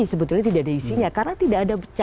sebetulnya tidak ada isinya karena tidak ada